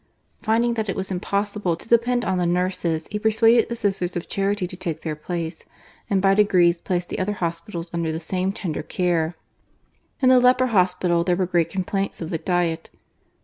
Finding that it was impossible to depend on the nurses, he persuaded the Sisters of Charity to take their place, and by degrees placed the other hospitals under the same WORKS OF CHARITY. 239 tender care. In the leper hospital there were great complaints of the diet.